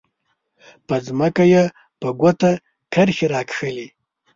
په ځمکه یې په ګوته کرښې راښکلې.